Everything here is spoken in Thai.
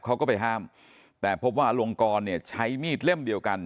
เขาก็ไปห้ามแต่พบว่าอลงกรเนี่ยใช้มีดเล่มเดียวกัน